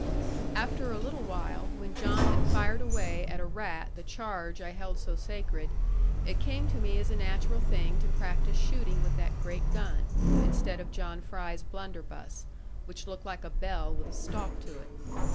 After a little while, when John had fired away at a rat the charge I held so sacred, it came to me as a natural thing to practise shooting with that great gun, instead of John Fry's blunderbuss, which looked like a bell with a stalk to it.